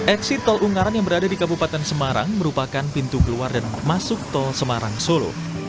eksit tol ungaran yang berada di kabupaten semarang merupakan pintu keluar dan masuk tol semarang solo